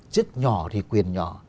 chức nhỏ thì quyền nhỏ